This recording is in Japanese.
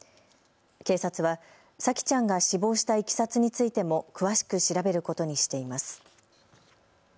警察は沙季ちゃんが死亡したいきさつについても詳しく調べることにしています。